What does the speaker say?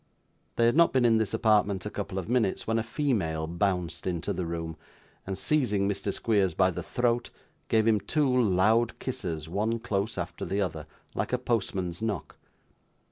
They had not been in this apartment a couple of minutes, when a female bounced into the room, and, seizing Mr. Squeers by the throat, gave him two loud kisses: one close after the other, like a postman's knock.